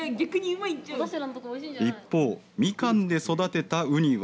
一方、みかんで育てたうには。